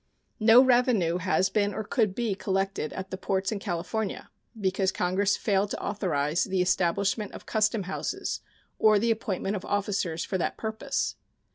No revenue has been or could be collected at the ports in California, because Congress failed to authorize the establishment of custom houses or the appointment of officers for that purpose.